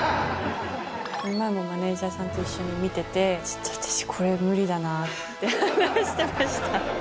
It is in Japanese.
今のマネージャーさんと一緒に見てて、ちょっと私、これ無理だなって話してました。